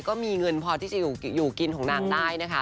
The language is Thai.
ก็มีเงินพอที่จะอยู่กินของนางได้นะคะ